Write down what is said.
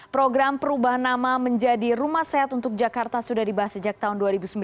program perubahan nama menjadi rumah sehat untuk jakarta sudah dibahas sejak tahun dua ribu sembilan